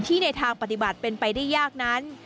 ในทางปฏิบัติเป็นไปได้ยากนั้น